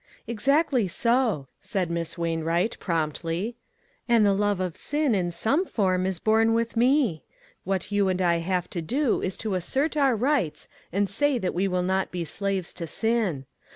" Exactly so," said Miss Wainwright, promptly, "and the love of sin, in some form, was born with me; what you and I have to do is to assert our rights and say that we will not be slaves to sin.